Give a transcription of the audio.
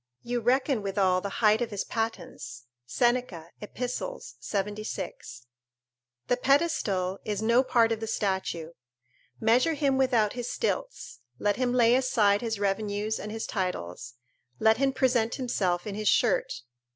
You reckon withal the height of his pattens." [Seneca, Ep. 76.] The pedestal is no part of the statue. Measure him without his stilts; let him lay aside his revenues and his titles; let him present himself in his shirt.